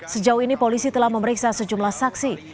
sejauh ini polisi telah memeriksa sejumlah saksi